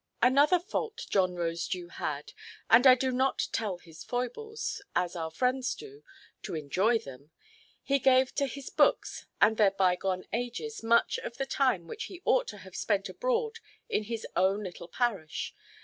Another fault John Rosedew had—and I do not tell his foibles (as our friends do) to enjoy them—he gave to his books and their bygone ages much of the time which he ought to have spent abroad in his own little parish.